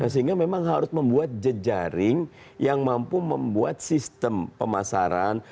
sehingga memang harus membuat jejaring yang mampu membuat sistem pemasaran